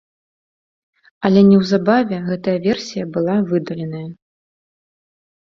Але неўзабаве гэтая версія была выдаленая.